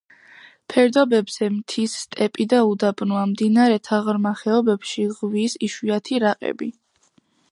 ფერდობებზე მთის სტეპი და უდაბნოა, მდინარეთა ღრმა ხეობებში ღვიის იშვიათი რაყები.